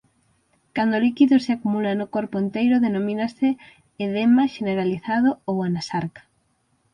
Cando o líquido se acumula no corpo enteiro denomínase edema xeneralizado ou anasarca.